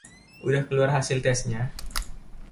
udah keluar hasil testnya?